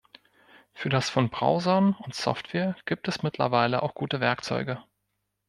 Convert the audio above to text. Für das von Browsern und Software gibt es mittlerweile auch gute Werkzeuge.